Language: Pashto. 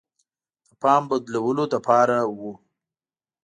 د پام بدلولو لپاره وه.